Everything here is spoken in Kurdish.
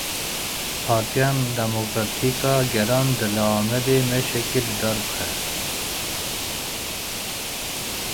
Partiya Demokratîk a Gelan dê li Amedê meşekê li dar bixe.